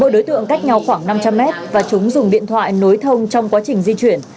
mỗi đối tượng cách nhau khoảng năm trăm linh mét và chúng dùng điện thoại nối thông trong quá trình di chuyển